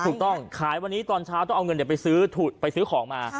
ถูกต้องขายวันนี้ตอนเช้าต้องเอาเงินเดี๋ยวไปซื้อของมา